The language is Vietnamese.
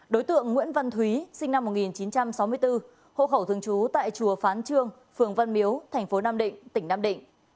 đối tượng nguyễn văn thúy sinh năm một nghìn chín trăm sáu mươi bốn hộ khẩu thường trú tại chùa phán trương phường văn miếu tp nam định tỉnh nam định